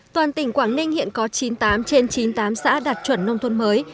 toàn tỉnh quảng ninh hiện có chín mươi tám trên chín mươi tám xã đạt chuẩn nông thôn mới